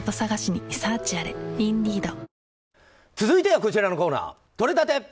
続いてはこちらのコーナーとれたて！